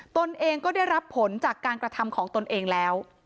ตนเองก็ได้รับผลจากการกระทำของตนเองแล้ว